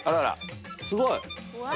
すごい！